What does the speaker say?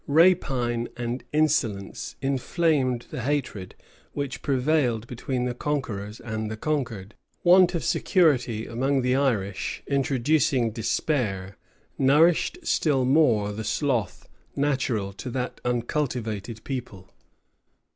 Rapine and insolence inflamed the hatred which prevailed between the conquerors and the conquered: want of security among the Irish, introducing despair, nourished still more the sloth natural to that uncultivated people.